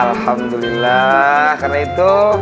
alhamdulillah karena itu